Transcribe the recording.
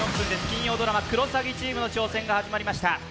金曜ドラマ「クロサギ」チームの挑戦が始まりました。